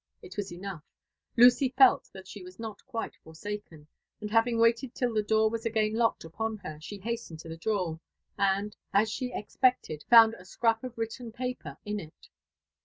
It was enough : Lucy felt that she was not quite forsaken ; and having waited till the door was again locked upon her, she hastened to the drawer, and, as she expected, found a scrap of written paper in it.